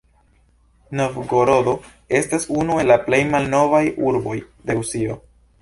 Novgorodo estas unu el la plej malnovaj urboj de Rusio.